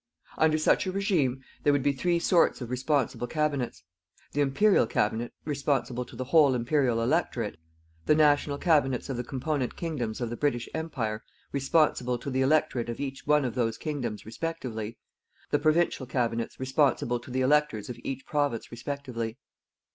Under such a regime, there would be three sorts of responsible Cabinets: The Imperial Cabinet responsible to the whole Imperial electorate; the National Cabinets of the component Kingdoms of the British Empire responsible to the electorate of each one of those Kingdoms respectively; the Provincial Cabinets responsible to the electors of each province respectively.